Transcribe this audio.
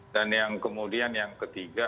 dan yang kemudian yang ketiga